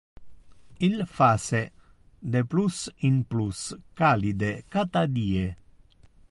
Il face de plus in plus calide cata die.